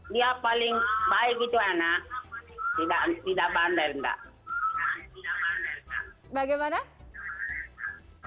dia paling baik itu anak tidak tidak bander enggak bagaimana